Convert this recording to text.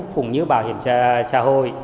cũng như bảo hiểm xã hội